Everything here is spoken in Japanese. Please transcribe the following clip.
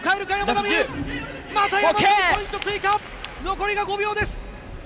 残りは５秒です。